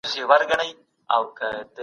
مسيحي عقايدو په اروپا کي ارزښت پيدا کړ.